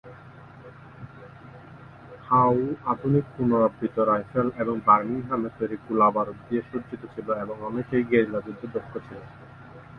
হাও আধুনিক পুনরাবৃত্ত রাইফেল এবং বার্মিংহামে তৈরি গোলাবারুদ দিয়ে সজ্জিত ছিল এবং অনেকেই গেরিলা যুদ্ধে দক্ষ ছিল।